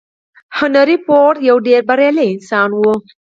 هنري فورډ يو ډېر بريالی انسان و.